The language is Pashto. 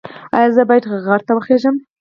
ایا زه باید غر ته وخیزم؟